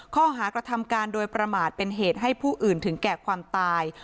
ข้อหากระทำการโดยประมาทเป็นเหตุให้ผู้อื่นถึงแก่ความตาย